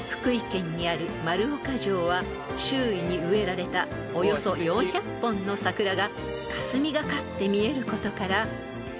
［周囲に植えられたおよそ４００本の桜がかすみがかって見えることから］